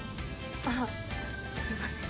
あっすいません。